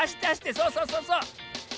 そうそうそうそう。